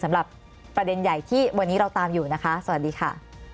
สำหรับประเด็นใหญ่ที่วันนี้เราตามอยู่นะคะสวัสดีค่ะ